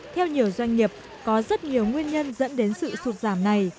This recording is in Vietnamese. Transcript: theo nhiều doanh nghiệp có rất nhiều nguyên nhân dẫn đến sự sụt giảm này